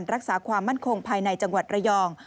ลงทำนวยการรักษาความมั่นคงภายในจังหวัดระยอง